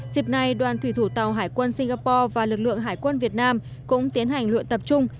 dịp này đoàn thủy thủ tàu hải quân singapore và lực lượng hải quân việt nam cũng tiến hành luyện tập trung